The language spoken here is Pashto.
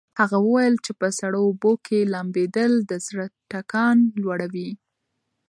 هغه وویل چې په سړو اوبو کې لامبېدل د زړه ټکان لوړوي.